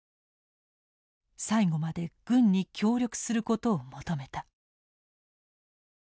最後まで軍に協力することを求めた。